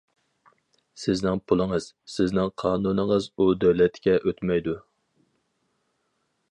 سىزنىڭ پۇلىڭىز، سىزنىڭ قانۇنىڭىز ئۇ دۆلەتكە ئۆتمەيدۇ.